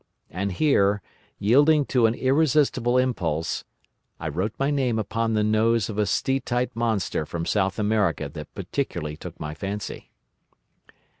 And here, yielding to an irresistible impulse, I wrote my name upon the nose of a steatite monster from South America that particularly took my fancy.